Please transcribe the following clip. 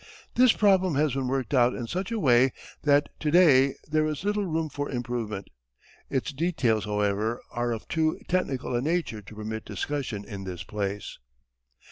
This problem has been worked out in such a way that to day there is little room for improvement. Its details, however, are of too technical a nature to permit discussion in this place.